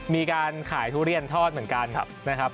มีการขายทุเรียนทอดเหมือนกันนะครับ